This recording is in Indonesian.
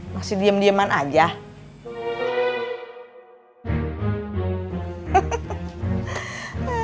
masih diem dieman aja